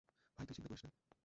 ভাই, তুই চিন্তা করিস না।